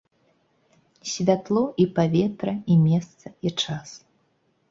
Святло, і паветра, і месца, і час.